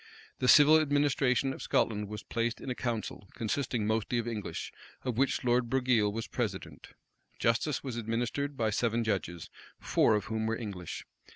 The civil administration of Scotland was placed in a council, consisting mostly of English, of which Lord Broghile was president. Justice was administered by seven judges, four of whom were English.